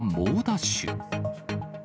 男は猛ダッシュ。